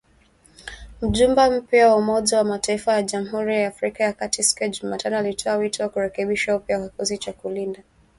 Mjumbe mpya wa Umoja wa mataifa kwa Jamhuri ya Afrika ya kati siku ya Jumatano alitoa wito wa kurekebishwa upya kwa kikosi cha kulinda amani cha Umoja wa Mataifa.